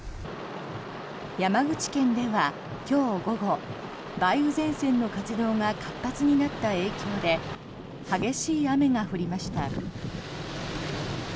山口県では今日午後梅雨前線の活動が活発になった影響で激しい雨が降りました。